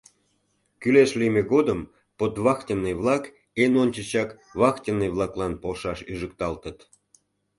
Кӱлеш лийме годым подвахтенный-влак эн ончычак вахтенный-влаклан полшаш ӱжыкталтыт.